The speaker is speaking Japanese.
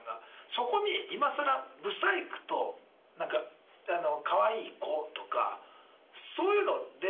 そこに今更ブサイクとなんか可愛い子とかそういうので。